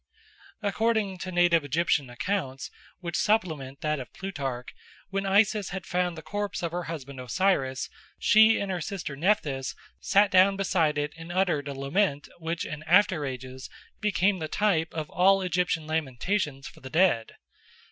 According to native Egyptian accounts, which supplement that of Plutarch, when Isis had found the corpse of her husband Osiris, she and her sister Nephthys sat down beside it and uttered a lament which in after ages became the type of all Egyptian lamentations for the dead.